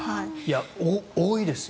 多いですよ。